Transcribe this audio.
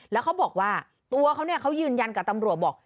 แล้วเขาบอกว่าตัวเขาเนี่ยเขายืนยันกับตำรวจบอก